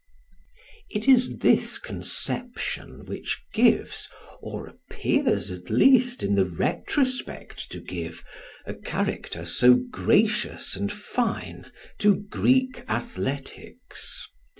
It is this conception which gives, or appears at least in the retrospect to give, a character so gracious and fine to Greek athletics.